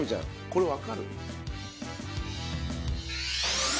これ分かる？